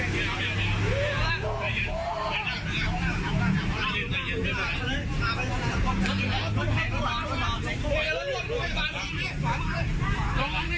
ผมว่ากูดูได้ไม่เอาไปอย่างกูทำไม